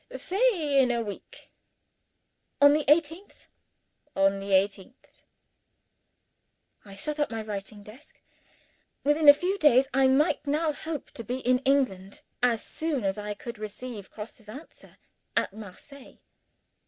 "Say, in a week." "On the eighteenth?" "On the eighteenth." I shut up my writing desk. Within a few days, I might now hope to be in England as soon as I could receive Grosse's answer at Marseilles.